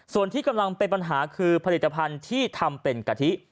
ส่วนที่กำลังเป็นปัญหาคือผลิตภัณฑ์ที่ทำเป็นกะทิ